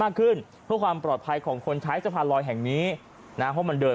ขึ้นเพื่อความปลอดภัยของคนใช้สะพานลอยแห่งนี้นะเพราะมันเดิน